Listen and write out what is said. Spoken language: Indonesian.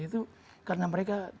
itu karena mereka